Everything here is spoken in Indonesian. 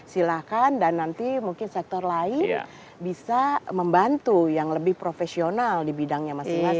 silahkan dan nanti mungkin sektor lain bisa membantu yang lebih profesional di bidangnya masing masing